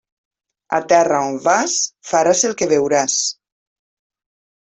A terra on vas, faràs el que veuràs.